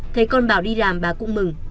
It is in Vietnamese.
thấy con bảo đi làm bà cũng mừng